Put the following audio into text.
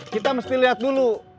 kita mesti lihat dulu